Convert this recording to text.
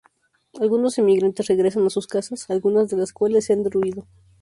Algunos emigrantes regresan a sus casas, algunas de las cuales se han derruido.